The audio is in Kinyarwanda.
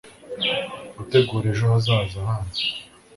gutegura ejo hazaza hanyu